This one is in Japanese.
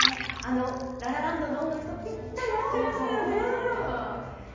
「ラ・ラ・ランド」の音楽とぴったり合っていましたよね。